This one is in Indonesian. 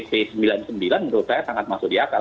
p sembilan puluh sembilan menurut saya sangat masuk di akal